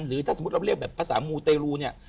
หรือถ้าสมมุติเราเรียกแบบภาษามูเตรลูเนี่ย